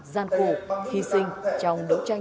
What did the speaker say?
gian cổ hy sinh trong đấu tranh